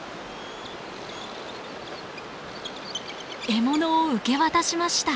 獲物を受け渡しました。